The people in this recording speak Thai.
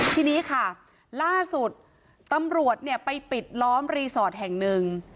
ทีนี้ค่ะล่าสุดตำรวจเนี่ยไปปิดล้อมรีสอร์ทแห่งหนึ่ง